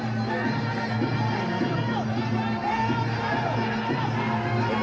โอ้โหแพ้ชนะ